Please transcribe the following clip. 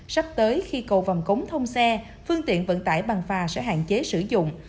sắp tới khi cầu vằm cống thông xe phương tiện vận tải bằng phà sẽ hạn chế sử dụng